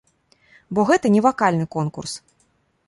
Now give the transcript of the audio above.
Бо гэта не вакальны конкурс.